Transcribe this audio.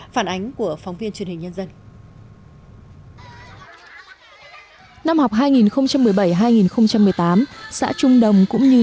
phản ánh của phóng viên truyền hình nhân dân